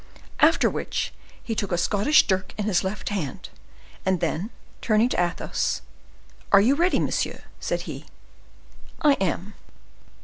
After which he took a Scottish dirk in his left hand, and then turning to Athos, "Are you ready, monsieur?" said he. "I am."